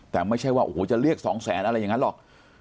แต่ไม่ใช่ว่าโอ้โหจะเรียกสองแสนอะไรอย่างนั้นหรอก